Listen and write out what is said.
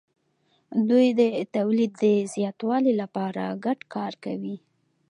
دوی د تولید د زیاتوالي لپاره ګډ کار کوي.